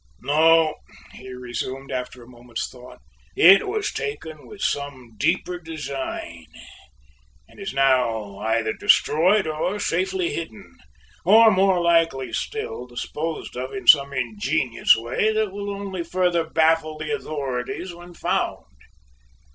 No," he resumed, after a moment's thought, "it was taken with some deeper design and is now either destroyed or safely hidden, or, more likely still, disposed of in some ingenious way that will only further baffle the authorities when found."